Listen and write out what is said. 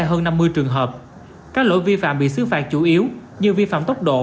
hơn năm mươi trường hợp các lỗi vi phạm bị xứ phạt chủ yếu như vi phạm tốc độ